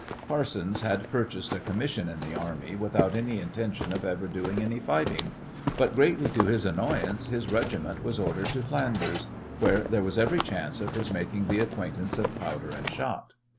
Parsons had purchased a commission in the army without any intention of ever doing any fighting, but greatly to his annoyance his regiment was ordered to Flanders, where there was every chance of his making the acquaintance of powder and shot.